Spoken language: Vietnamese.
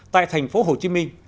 tại thành phố hồ chí minh